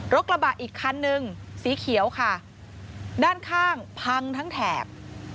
กระบะอีกคันนึงสีเขียวค่ะด้านข้างพังทั้งแถบ